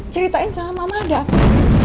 ceritain sama mama ada aku